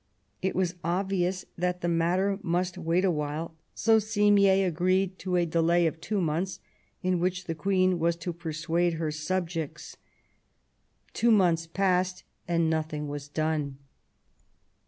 It was obvious that the matter must wait a while ; so Simier agreed to a delay of two months in which the Queen was to persuade her subjects. Two months passed, and nothing was done.